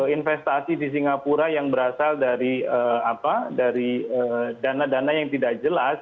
investasi di singapura yang berasal dari dana dana yang tidak jelas